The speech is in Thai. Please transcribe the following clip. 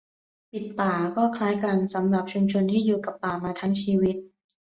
"ปิดป่า" ก็คล้ายกันสำหรับชุมชนที่อยู่กับป่ามาทั้งชีวิต